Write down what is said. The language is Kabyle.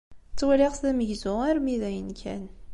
Ttwaliɣ-t d amegzu armi d ayen kan.